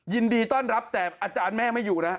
ยินดีต้อนรับแต่อาจารย์แม่ไม่อยู่นะ